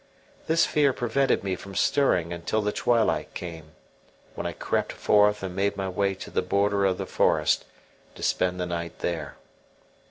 This fear prevented me from stirring until the twilight came, when I crept forth and made my way to the border of the forest, to spend the night there.